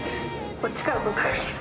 こっちから。